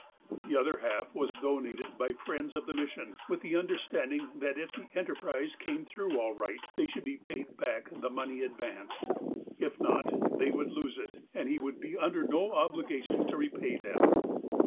The other half was donated by friends of the mis sion, with the understanding that if the enterprise came through all right, they should be paid back the money advanced. If not, they would lose it, and he would be under no obligation to repay them.